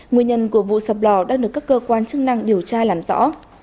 nguyên nhân của vụ sập lò đang được các cơ quan chức năng điều tra làm rõ